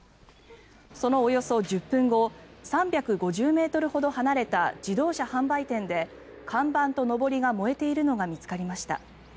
そのおよそ１０分後３５０ｍほど離れた自動車販売店で看板とのぼりが燃えているのが見つかりました。